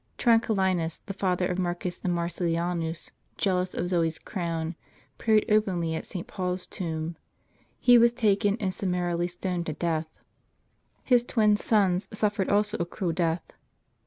Tranquillinus, the father of Marcus and Marcellianus, jealous of Zoe's crown, prayed openly at St. Paul's tomb ; he was taken and summarily stoned to death. His twin sons suffered also a cruel death.